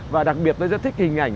và đặc biệt tôi rất thích hình ảnh